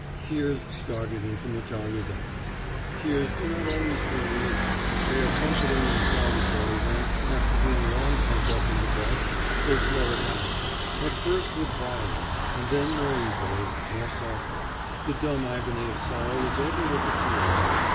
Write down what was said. Tears started into Natalya's eyes. Tears do not always bring relief. They are comforting and salutary when, after being long pent up in the breast, they flow at last at first with violence, and then more easily, more softly; the dumb agony of sorrow is over with the tears.